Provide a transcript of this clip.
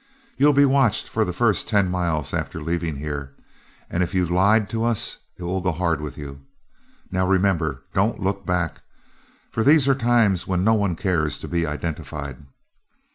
You'll be watched for the first ten miles after leaving here, and if you've lied to us it will go hard with you. Now, remember, don't look back, for these are times when no one cares to be identified.'